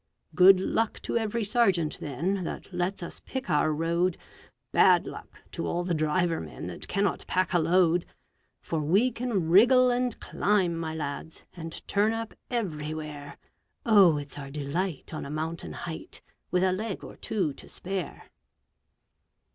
Good luck to every sergeant, then, that lets us pick our road; Bad luck to all the driver men that cannot pack a load: For we can wriggle and climb, my lads, and turn up everywhere, Oh, it's our delight on a mountain height, with a leg or two to spare!